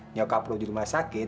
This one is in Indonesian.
nyokap lo di rumah sakit